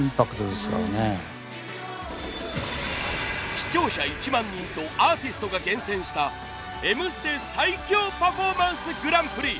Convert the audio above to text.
視聴者１万人とアーティストが厳選した『Ｍステ』最強パフォーマンスグランプリ２０２２